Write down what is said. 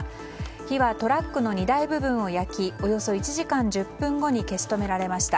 火は、トラックの荷台部分を焼きおよそ１時間１０分後に消し止められました。